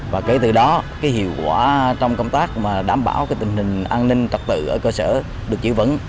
và kể từ đó hiệu quả trong công tác đảm bảo tình hình an ninh trật tự ở cơ sở được chỉ vấn